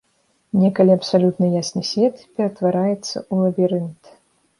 Некалі абсалютна ясны свет ператвараецца ў лабірынт.